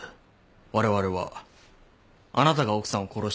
われわれはあなたが奥さんを殺したものとみています。